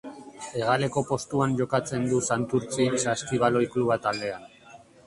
Hegaleko postuan jokatzen du Santurtzi Saskibaloi Kluba taldean.